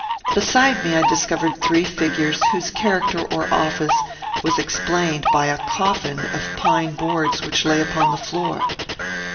Beside me I discovered three figures, whose character or office was explained by a coffin of pine boards which lay upon the floor.